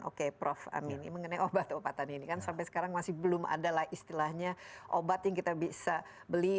oke prof amin mengenai obat obatan ini kan sampai sekarang masih belum adalah istilahnya obat yang kita bisa beli